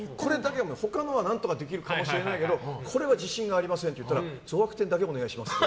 他のは何とかできるかもしれないけどこれは自信ありませんって言ったら憎珀天だけお願いしますって。